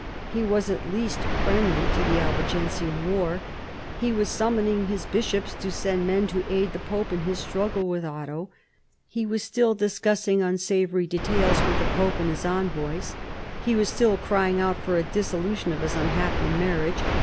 He was at least friendly to the Albigensian war. He was summoning his bishops to send men to aid the pope in his struggle with Otto. He was still discussing unsavoury details N 178 PHILIP AUGUSTUS chap. with the pope and his envoys. ' He was still crying out for a dissolution of his unhappy marriage.